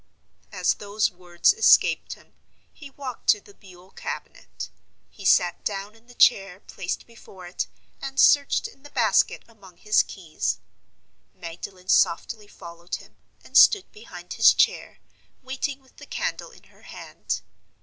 As those words escaped him, he walked to the buhl cabinet. He sat down in the chair placed before it, and searched in the basket among his keys. Magdalen softly followed him, and stood behind his chair, waiting with the candle in her hand.